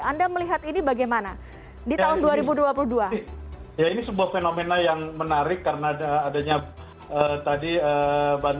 anda melihat ini bagaimana di tahun dua ribu dua puluh dua